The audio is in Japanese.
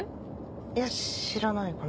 いや知らないかな。